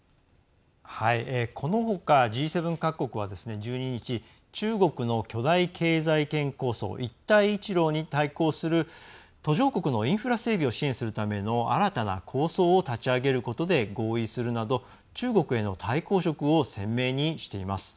このほか、Ｇ７各国は１２日、中国の巨大経済圏構想一帯一路に対抗する途上国のインフラ整備を支援するための新たな構想を立ち上げることで合意するなど中国への対抗色を鮮明にしています。